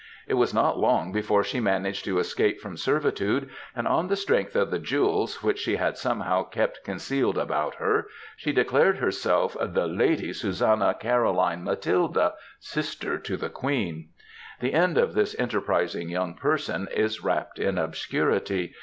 It was not long before she managed to escape from servitude, and on the strength of the jewels, which she had somehow kept concealed about her, she declared herself the Lady Susannah Caroline Matilda, sister to the Queen. The end of this enterprising young person is wrapped in obscurity.